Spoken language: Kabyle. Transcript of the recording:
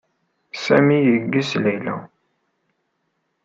Sami yeggez Layla.